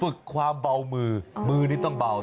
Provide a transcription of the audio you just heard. ฝึกความเบามือมือนี่ต้องเบา